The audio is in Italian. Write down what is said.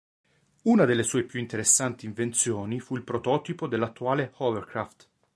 Una delle sue più interessanti invenzioni fu il prototipo dell'attuale Hovercraft.